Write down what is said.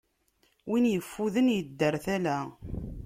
Win yeffuden, yeddu ar tala.